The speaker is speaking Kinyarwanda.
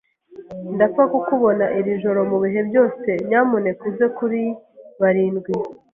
Ndapfa kukubona iri joro mubihe byose. Nyamuneka uze kuri barindwi.